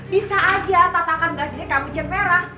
bisa aja tatakan gelas di sini kamu cat merah